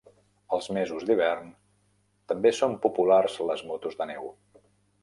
Als mesos d'hivern, també són populars les motos de neu.